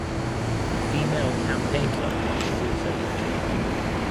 A female campaign worker was also injured.